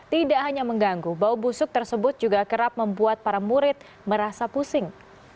tidak hanya mengganggu bau busuk tersebut juga kerap membuat para murid merasa pusing